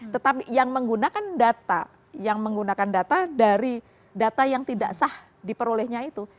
tetapi yang menggunakan data yang menggunakan data dari data yang tidak sah diperolehnya itu